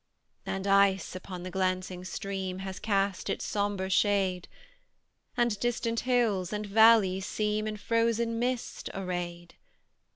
And ice upon the glancing stream Has cast its sombre shade; And distant hills and valleys seem In frozen mist arrayed.